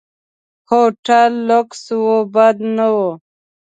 هوټل لکس و، بد نه و.